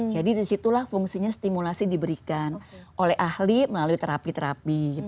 jadi disitulah fungsinya stimulasi diberikan oleh ahli melalui terapi terapi